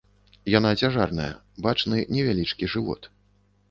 Яна цяжарная, бачны невялічкі жывот.